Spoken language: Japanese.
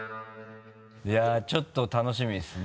いやちょっと楽しみですね